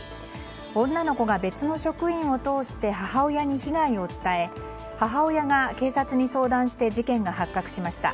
女の子が別の職員を通して母親に被害を伝え母親が警察に相談して事件が発覚しました。